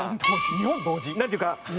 日本同時？なんていうか。